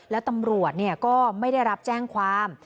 แล้วตำรวจก็ไม่ได้รับแจ้งความ